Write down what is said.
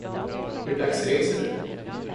Hur dags reser du?